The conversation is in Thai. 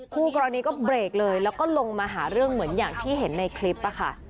คู่กรณีก็เบรกเลยแล้วก็ลงมาหาเรื่องเหมือนอย่างที่เห็นในคลิปค่ะ